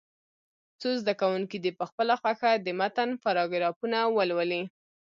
څو زده کوونکي دې په خپله خوښه د متن پاراګرافونه ولولي.